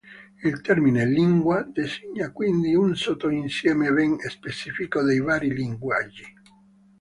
Il termine "lingua" designa quindi un sottoinsieme ben specifico dei vari linguaggi.